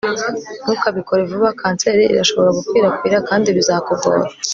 ntukabikore vuba, kanseri irashobora gukwirakwira kandi bizakugora